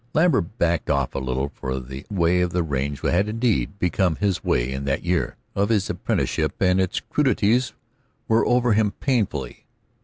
Lambert backed off a little, for the way of the range had indeed become his way in that year of his apprenticeship, and its crudities were over him painfully.